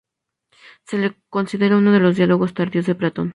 Se lo considera uno de los diálogos tardíos de Platón.